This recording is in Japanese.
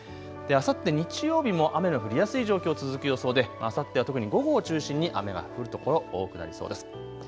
あさって日曜日も雨の降りやすい状況、続く予想であさっては特に午後を中心に雨が降る所多くなりそうです。